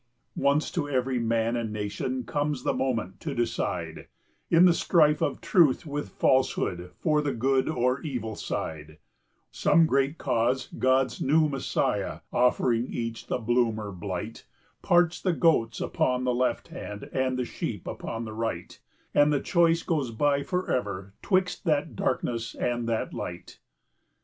] Once to every man and nation comes the moment to decide, In the strife of Truth with Falsehood, for the good or evil side; Some great cause, God's new Messiah, offering each the bloom or blight, Parts the goats upon the left hand, and the sheep upon the right, And the choice goes by forever 'twixt that darkness and that light.